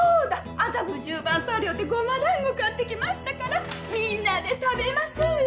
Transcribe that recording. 麻布十番茶寮で胡麻団子買ってきましたからみんなで食べましょうよ。